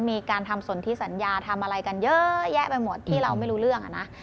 มีการทำสนที่สัญญาทำอะไรกันเยอะแยะไปหมดที่เราไม่รู้เรื่องอ่ะนะ